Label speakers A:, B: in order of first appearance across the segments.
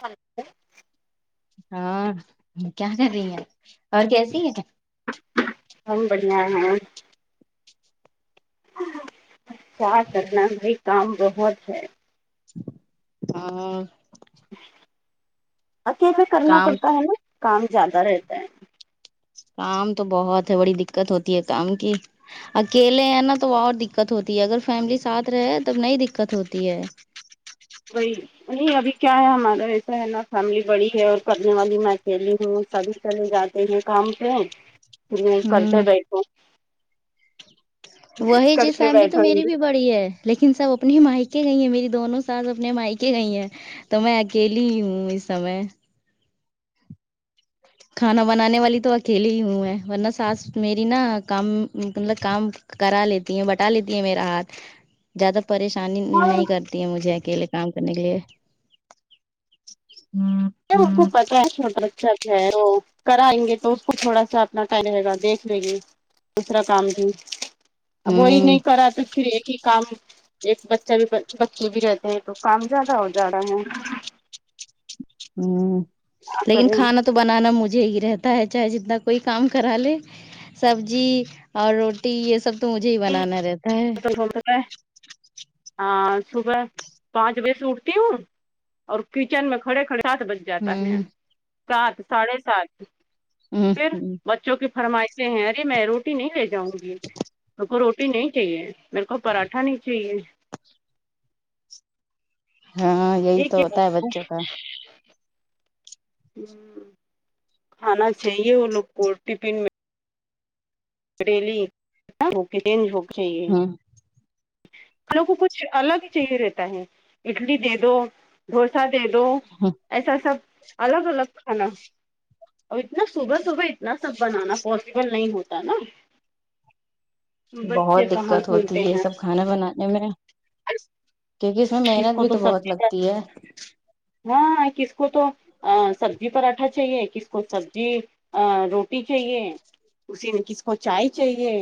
A: Hello
B: ہاں کیا کر رہی ہیں اور کیسی ہے
A: ہم بڑھیا ہیں کیا کرنا بھائی کام بہت ہے
B: ہاں
A: اکیلے کرنا
B: کام
A: پڑتا ہے نا کام زیادہ رہتا ہے
B: کام تو بہت ہے بڑی دکت ہوتی ہے کام کی اکیلے ہیں نا تو اور دکت ہوتی ہے اگر فیملی ساتھ رہے تو نہیں دکت ہوتی ہے
A: وہی نہیں ابھی کیا ہے ہمارا ایسا ہے نا فیملی بڑی ہے اور کرنے والی میں اکیلی ہوں سبھی چلے جاتے ہیں کام پہھر وہ کرتے
B: ہوں
A: بیٹھے
B: وہی جیز فیملی تو میری بھی بڑی ہے لیکن سب اپنی مائکے گئی ہیں میری دونوں ساس اپنے مائکے گئی ہیں تو میں اکیلی ہی ہوں اس سمے کھانا بنانے والی تو اکیلی ہی ہوں ہے ورنہ ساس میری نا کام مطلب کام کرا لیتی ہے بٹا لیتی ہے میرا ہاتھ زیادہ پریشانی
A: ہاں
B: نہیں کر تی ہے مجھے اکیلے کام کرنے کے لیے ہ
A: پر انکو پتہ ہو رہا سچ ہے تو کرائیں گے تو اس کو تھوڑا سا اپنا کیا رہے گا دیکھ لے گی دوسرا کام بھی وہی نہیں کرا تو پھر ایک کام ایک بچہ بھی بچے بھی رہتے ہیں تو کام زیادہ ہو جا رہا ہے
B: ہوں
A: کیا
B: لیکن
A: کریں ہم۔
B: کھانا تو بنانا مجھے ہی رہتا ہے چاہے جتنا کوئی کام کرا لے سبزی اور روٹی یہ سب تو مجھے ہی بنانا رہتا ہے
A: میں ہاں صبح پانچ بجے سے اٹھتی ہوں اور کچن میں کھڑے کھڑے سات بج جاتا ہے
B: ہوں
A: سات ساڑھے سات
B: ہ
A: پھر بچ چو کی فرمائشیں ہیں ارے میں روٹی نہیں لے جاؤں گی میں کو روٹی نہیں چاہیے میرے کو پراٹھا نہیں چاہیے
B: ہاں ہاں
A: یہ کیا اب کھانا چاہیے وہ لوگ کو ٹفن میں [unintelligible]
B: ہ
A: ہم لوگ کو کچھ الگ ہی چاہیے رہتا ہے اٹلی دے دو ڈھوشا دے دو
B: ہ
A: ایسا سب الگ الگ کھانا اور اتنا صبح صبح اتنا سب بنانا پاسبل نہیں ہوتا نا
B: بہت
A: بچے کہاں
B: دقت ہوتی
A: سنتے
B: ہے یہ
A: ہیں
B: سب کھانا بنا کیونکہ اس میں
A: کس
B: محنت
A: کو
B: بھی تو بہت
A: سبزی پر
B: لگتی ہے
A: ہاں کس کو تو سبزی پراٹھا چاہیے کس کو سبزی روٹی چاہیے اسی میں کس کو چائے چاہیے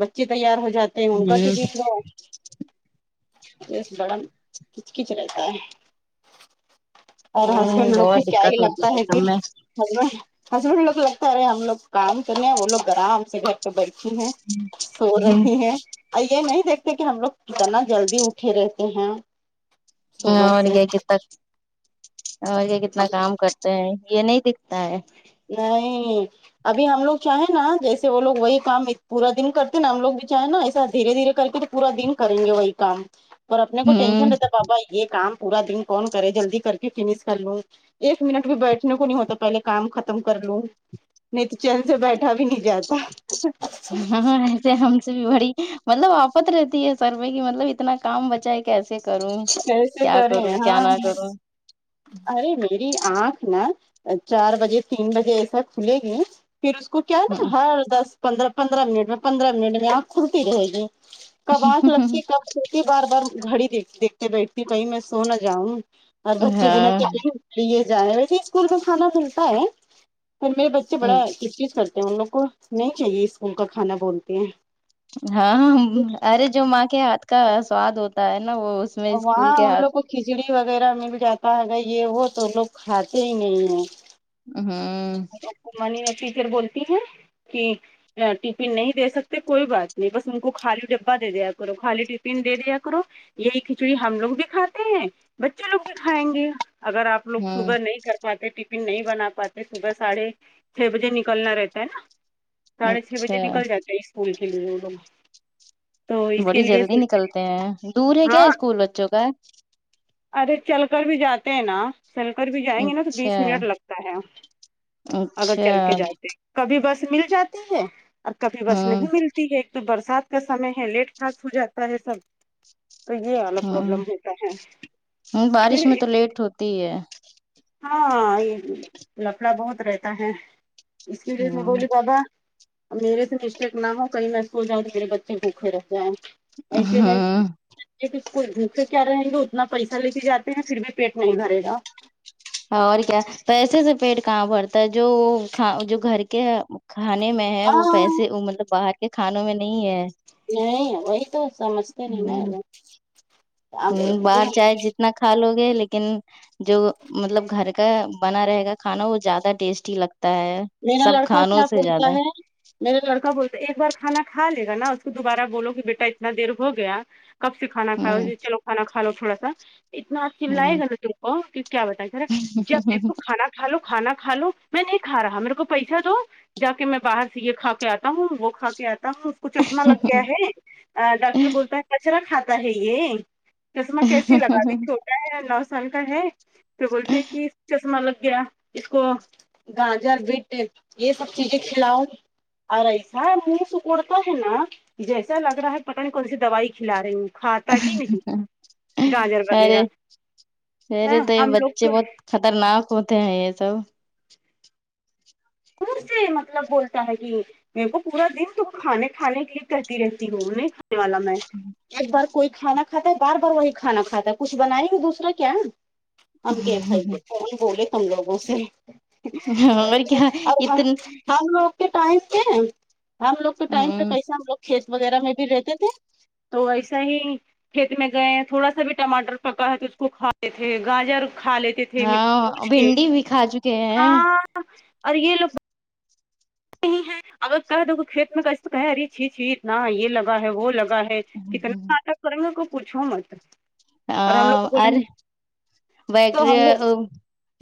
A: بچے تیار ہو جاتے ان کا
B: ہ
A: ٹفن دو اس بڑا کچ کچ رہتا ہے اور
B: ہ
A: ہسبینڈ لوگ کو
B: بہت
A: کیا ہی
B: دقت ہوتی
A: لگتا ہے کہ
B: سب میں
A: ہسبینڈ ہسبینڈ لوگ لگتا ہے ارے ہم لوگ کام کرنے ہیں وہ لوگ آرام سے گئے بچی ہیں سو رہی ہیں یہ نہیں دیکھتے کہ ہم لوگ کتنا جلدی اٹھے رہتے ہیں
B: ہ
A: صبح
B: اور
A: سے
B: کیا کتنا اور کیا کتنا کام کرتے یہ نہیں دکھتا ہے
A: نہیں ابھی ہم لوگ چاہیں نا جیسے وہ لوگ وہی کام پورا دن کرتے ہیں نا ہم لوگ بھی چاہیں نا ایسا دھیرے دھیرے کر کے پورا دن کریں گے وہی کام پر اپنے کو
B: ہوں
A: ٹینشن رہتا ہے بابا یہ کام پورا دن کون کرے جلدی کر کے فنش کر لوں ایک منٹ بھی بیٹھنے کو نہیں ہوتا پہلے کام ختم ختم کر لوں نہیں تو چین سے بیٹھا بھی نہیں جاتا
B: ہاں ایسے ہم سے بھی بڑی مطلب آفت رہتی ہے سر پہ کہ مطلب اتنا کام بچا ہے کیسے کروں
A: کیسے
B: کیا
A: کریں
B: کروں کیا
A: ہاں
B: نہ کروں
A: ارے میری آنکھ نا چار بجے تین بجے ایسا کھلے گی پھر اس کو کیا نا
B: ہاں
A: ہر دس پندرہ پندرہ منٹ میں پندرہ منٹ میں آنکھ کھلتی رہے گی کب آنکھ لگتی کب چوٹی بار بار گھڑی دیکھتے بیٹھتی کہیں میں سو نہ جاؤں اور بچے بنا
B: ہاں
A: کہ لیے جائے ویسے اسکول میں کھانا ملتا ہے پھر میرے بچے بڑا کچ کچ کرتے ان لوگ کو نہیں چاہیے اسکول کا کھانا بولتے ہیں
B: ہاں ارے جو ماں کے ہاتھ کا صواد ہوتا ہے نا وہ میں اسکول
A: وہاں
B: کے
A: ان
B: ہاتھ
A: لوگوں کھچڑی وغیرہ مل جاتا ہےگا یہ وہ تو لوگ کھاتے ہی نہیں ہیں
B: ہاں
A: اچانی میں ٹیچر بولتی ہیں کہ ٹیفن نہیں دے سکتے کوئی بات نہیں بس ان کو خالی ڈبہ دے دیا کرو خالی ٹی ٹیفن دے دیا کرو یہی کھچڑی ہم لوگ بھی کھاتے ہیں بچے لوگ بھی کھائیں گے اگر آپ لوگ
B: ہوں
A: صبح نہیں کر پاتے ٹی ٹیفن نہیں بنا پاتے صبح ساڑھے چھ بجے نکلنا رہتا ہے نا ساڑھے چھ
B: اچھا
A: بجے نکل جاتا اسکول کے لیے ان لوگ تو اس کے
B: بڑی
A: لیے
B: جلدی نکلتے ہیں دور ہے کیا
A: ہاں
B: اسکول بچوں کا
A: ارے چل کر بھی جاتے ہیں نا چل کر بھی جائیں گے نا تو
B: اچھا
A: بیس منٹ لگتا ہے اگر چل
B: اچھا
A: کے جاتے کبھی بس مل جاتی ہے اور کبھی بس
B: ہوں
A: نہیں ملتی ہے ایک تو برسات کا سمے ہے لیٹ پاس ہو جاتا ہے سب تو یہ والا پرابلم ہوتا ہے
B: ہوں
A: پھر
B: بارش میں تو لیٹ ہوتی ہی ہے
A: ہاں یہ لفڑا بہت رہتا ہے اس لی لیے میں بولی
B: ہ
A: بابا میرے سے مسٹیک نہ ہو کہیں میں سو جاؤں تو میرے بچے بھوکھے رہ جائیں ایسے ہے کوئی بھوکے کیا رہیں گے اتنا پیسہ لے کے جاتے ہیں پھر بھی پیٹ نہیں بھرے گا
B: اور کیا پیسے سے پیٹ کہاں بھرتا ہے جو جو گھر کے کھانے میں ہے وہ
A: ہاں
B: پیسے مطلب باہر کے کھانوں میں نہیں ہے
A: نہیں وہی تو سمجھتے نہیں نا لوگ
B: ہ باہر چاہے جتنا کھا لو گے لیکن جو مطلب گھر کا بنا رہے گا کھانا وہ زیادہ ٹیسٹی لگتا ہے
A: میرا
B: سب
A: لڑکا
B: کھانوں
A: کیا
B: سے
A: بولتا
B: زیادہ
A: ہے میرا لڑکا بولتا ایک بار کھانا کھا لےگا نا اس کو دوبارہ بولو کہ بیٹا اتنا دیر ہو گیا کب سے کھانا کھاؤ
B: ہ
A: چلو کھانا کھالو تھوڑا سا اتنا چلائے
B: ہ
A: گا نا تم کو کہ کیا بتائیں جب دیکھو کھانا کھا لو کھانا کھا لو میں نہیں کھا رہا میرے کو پیسہ دو جب کہ میں باہر سے یہ کھا کے آتا ہوں وہ کھا کے آتا ہوں کچھ چشمہ لگ گیا ہے ڈاکٹر بولتا ہے کچرا کھاتا ہے یہ چشمہ کیسے لگا ابھی چھوٹا ہے نو سال کا ہے تو بولتے ہیں کہ چشمہ لگ گیا اس کو گج جر بیٹ روٹ یہ سب چیزیں کھلاؤ اور ایسا منہ سکڑتا ہے نا جیسا لگ رہا ہے پتا نہیں کون سی دوائی کھلا رہے ہوں کھاتا ہی نہیں گاجر
B: ارے
A: وغیرہ ہ
B: ارے تو یہ
A: ہم لوگ
B: بچے
A: کو
B: بہت خطرناک ہوتے ہیں یہ سب
A: دور سے مطلب بولتا ہے کہ میرے کو پورا دن تم کھانے کھانے کے لیے کرتی رہتی ہو نئی والا میں ایک بار کوئی کھانا کہتا ہے بار بار وہی کھانا کھاتا ہے کچھ بنائے گا دوسرا کیا ہم کہ بائیے فون بولے کم لوگوں سے [unintelligible]
B: اور کیا
A: اب
B: اتن
A: ہم لوگ کے ٹائم پہ ہم لوگ کے ٹائم
B: ہ
A: پہ کیسا ہم لوگ کھیت وغیرہ میں بھی رہتے تھے تو ایسا ہی کھیت میں گئے تھوڑا سا بھی ٹماٹر پکا ہے تو اس کو کھاے تھے گاجر کھا لیتے [unintelligible]
B: ہاں
A: پوچھ کے
B: بھنڈی بھی کھا چکے ہیں
A: ہاں اور یہ لوگ نہیں ہے اگر کہ دے کھیت میں کس تو کہ رے چھی چھی نہ یہ لگا ہے وہ لگا ہے کتنا ناٹک کریں گے کو پوچھو مت اور ہم
B: ہاں
A: لوگ کو بولیں
B: آر
A: گے تو ہم
B: بیکٹیریا
A: لوگ
B: ہو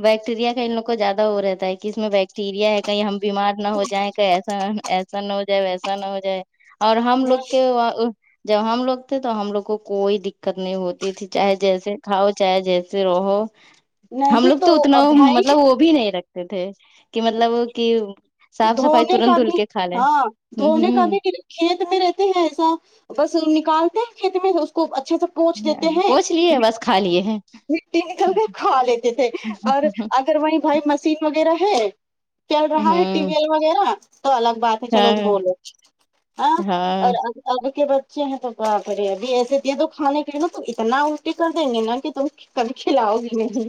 B: بیکٹیریا کا ان لوگ کو زیادہ ہو رہتا ہے کہ اس میں ب ٹیریا ہے کہیں ہم بیمار نہ ہو جائیں کہیں ایسا ایسا نہ ہو جائے ویسا نہ ہو جائے اور ہم لوگ کے و جب ہم لوگ تھے تو ہم لوگ کو کوئی دقت نہیں ہوتی تھی چاہے جیسے کھاؤ چاہے جیسے سے رہو ہم لوگ
A: نہیں
B: تو اتنا
A: بھائی
B: مطلب وہ بھی نہیں رکھتے تھے کہ مطلب کہ صاف صفائی
A: دھونے
B: ترنت
A: کا
B: دھل
A: بھی
B: کے کھا لیں
A: ہاں
B: ہ
A: دھونے کا
B: ہ
A: بھی کھیت میں رہتے ہیں ایسا بس نکالتے ہیں کھیت میں اس کو اچھے سا
B: پوچ لیے بس کھا لیے ہیں
A: مٹی نکل کر کھا لیتے تھے اور
B: ہیں
A: اگر وہی بھائی م سین وغیرہ ہے چل رہا ہے ٹی
B: ہوں
A: وی ایل وغیرہ تو الگ بات ہے چلو
B: ہاں
A: دھو لو ہ اور
B: ہاں
A: اب کے بچے ہیں تو باپ رے ابھی ایسے دیے تو کھانے کے لیے نا تو اتنا الٹی کر دیں گے نا کہ ت کبھی کھلاؤ گی نہیں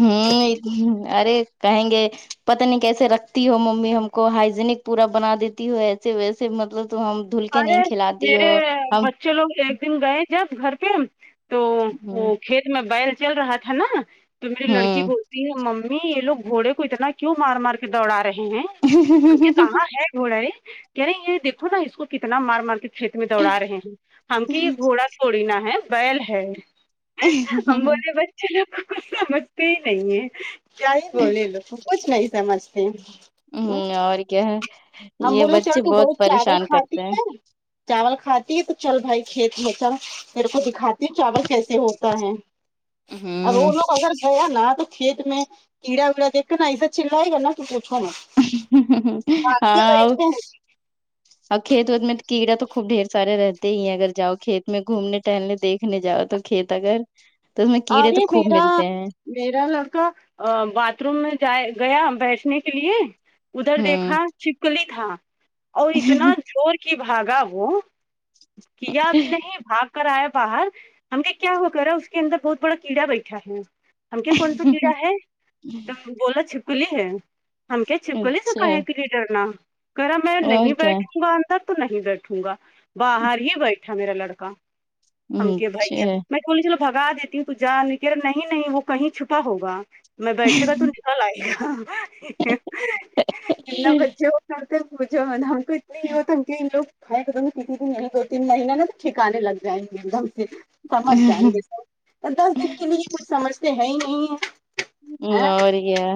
B: ہوں ہ ارے کہیں گے پتا نہیں کیسے رکھتی ہو ممی ہم کو ہائجینک پورا بنا دیتی ہو ایسے ویسے مطلب تو ہم دھل کے نہیں کھلاتی ہو ہم
A: چلو ایک دن گئے جب گھر پہ تو
B: ہوں
A: وہ کھیت میں بیل چل رہا تھا نا تو میری لڑکی
B: ہ
A: ب نہیں مممی یہ لوگ گھوڑے کو اتنا کیوں مار مار کے دوڑا رہے ہیں کہاں ہے گھوڑا ہے کہہ رہے یہ دیکھو نا اس کو کتنا مار مار کے کھیت میں دوڑا رہے ہیں ہم کی یہ گھوڑا تھوڑی نا ہے بیل ہے ہم بولے بچے لوگوں کو سمجھتے ہی نہیں ہیں کیا ہی بولے ان لوگ کچھ نہیں سمجھتے
B: ہ اور کیا ہے
A: ہم
B: یہ
A: بولے چل
B: بچے
A: تو
B: بہت
A: چاول
B: پریشان
A: کھاتی
B: کرتے ہیں
A: ہے چاول کھاتی ہے تو چل بھائی کھیت میں چل میرے کو دکھاتی چاول کیسے ہوتا ہے اب
B: ہوں
A: وہ لوگ اگر گیا نا تو کھیت میں کیڑا وڑا دیکھ کے نا اسے چلا رہائے گا نا کہ پچو مت بھاگتے
B: ہاں اور
A: بیٹھتے ہیں
B: اور کھیت وت میں تو کیڑا تو خوب ڈھیر سارے رہتے ہی اگر جاؤ کھیت میں گھومنے ٹہلنے دیکھنے جاؤ تو کھیت اگر تو اس میں کیڑے
A: ارے
B: تو خوب
A: میرا
B: ملتے ہیں
A: میرا لڑکا باتھ روم میں جائے گیا بیٹھنے کے لیے ادھر دیکھا
B: ہوں
A: چھپکلی تھا اور اتنا چور کی بھاگا وہ کیا کہ نہیں بھاگ کرایا باہر ہم نے کیا ہو کرا اس کے اندر بہت بڑا کیڑا بیٹھا ہے ہم کے کون سا کیڑا ہے تو بولاو چھپکلی ہے ہم کیا چھپکلی سےکا
B: اچھا
A: ہے کے لیے ڈرنا کہے رہا میں
B: اور
A: نہیں
B: کیا
A: بیٹھوں گا تو نہیں بیٹھوں گا باہر ہی بیٹھا میرا لڑکا ہم کے بھائی میں بے چلو بھگا دیتی ہوں تو جا کہ رہا نہیں وہ کہیں چھپا ہوگا میں ب بیٹھے گا تو نکل آئے بچے
B: اچھا
A: [unintelligible] ستے مجد ہم کو اتنے ہی ہو تنک ان لوگ ہ ایک کسی دن نہیں دو تین مہینہ نا تو ٹھکانے لگ جائیں گے ایک دم سے سمجھ جائیں گے سر دس دن کے لیے یہ کچھ سمجھتے ہیں ہی نہیں ہے
B: ہ اور کیا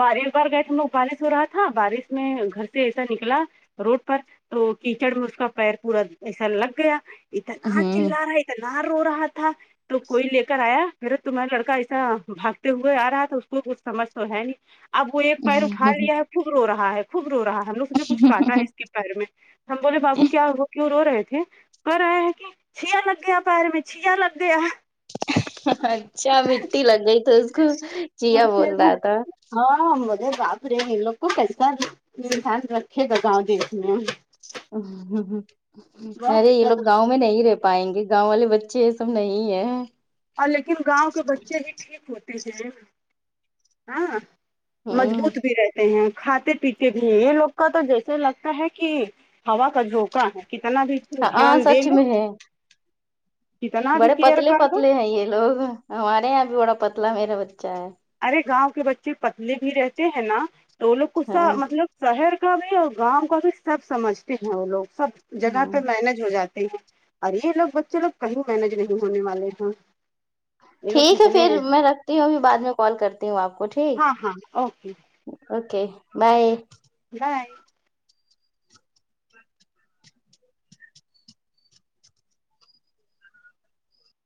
A: بار بار گئے ہم لوگ بارش ہو رہا تھا بارش میں گھر سے ایسا نکلا روڈ پر تو کیچڑ میں اس کا پیر پورا ایسا لگ گیا اتنا
B: ہوں
A: چلا رہا اتنا رو رہا تھا تو کوئی لے کر آیا میرا تمہارا لڑکا ایسا بھاگتے ہوئے آ رہا تو اس کو کچھ سمجھ تو ہے نہیں اب وہ ایک پیر اٹھا لیا ہے خوب رو رہا ہے خوب رو رہا ہے ہمنے سوچا کچھ کاٹا ہے پیر میں ہم بولے بابو کیا وہ کیوں رو رہے تھے کر رہے ہیں کہ چیا لگ یا پیر میں چیا لگ گیا
B: اچھا مٹی لگ گئی تو اس کو چیا بول
A: ہم
B: رہا تھا
A: ہاں مدے باب رے ان لوگو کیسا آی مسان رکھے گا گاؤں دیکھنے بہت
B: ارے یہ
A: دقت
B: لوگ گاؤں میں نہیں رہے پائیں گے گاؤں والے بچے یہ سب نہیں ہے
A: اور لیکن گاؤں کے بچے ہی ٹھیک ہوتے ہیں ہ
B: ہوں
A: مضبوط بھی رہتے ہیں کھاتے پیتے بھی یہ لوگ کا تو جیسے لگتا ہے کہ ہوا کا جھوکا ہے کتنا بھی
B: ہ ہاں
A: دھیان دے
B: سچ
A: لو
B: میں ہے
A: کتنا بھی
B: بڑے
A: کیئر
B: پتلے
A: کر لو
B: پتلے ہیں یہ لوگ ہمارے یہاں بھی بڑا پتلا میرا بچہ ہے
A: ارے گاؤں کے بچے پتلے بھی رہتے ہیں نا تو وہ لوگ
B: ہاں
A: غصہ مطلب شہر کا بھی اور گاؤں کا بھی سب سمجھتے ہیں وہ لوگ سب جگہ
B: ہاں
A: پہ مینج ہو جاتے ارے یہ لوگ بچے لوگ کہیں مینج نہیں ہونے والے ہیں یہ لوگ
B: ٹھیک ہے
A: کتنے
B: پھر میں رکھتی ہو بعد میں کال کرتی ہوں آپ کو ٹھیک
A: ہاں ہاں اوکے
B: اوکے بائے
A: بائے